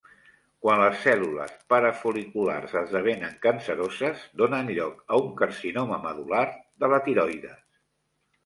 Quan les cèl·lules parafol·liculars esdevenen canceroses, donen lloc a un carcinoma medul·lar de la tiroides.